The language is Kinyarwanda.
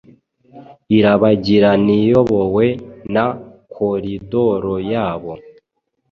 irabagiranaiyobowe na koridoroyabo